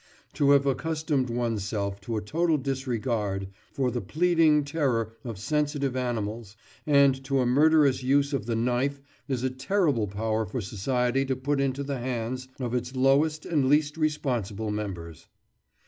To have accustomed one's self to a total disregard for the pleading terror of sensitive animals and to a murderous use of the knife is a terrible power for society to put into the hands of its lowest and least responsible members.